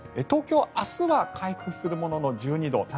東京は明日は回復するものの１２度。